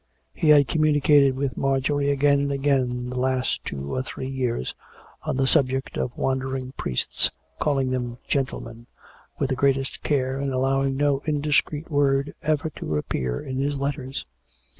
He had communicated with Mar jorie again and again in the last two or three years on the subject of wandering priests, calling them " gentlemen," with the greatest care, and allowing no indiscreet word ever to appear in liis letters.